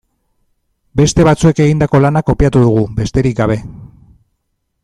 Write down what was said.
Beste batzuek egindako lana kopiatu dugu, besterik gabe.